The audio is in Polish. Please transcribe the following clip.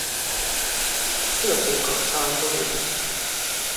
Tyle tylko chciałem powiedzieć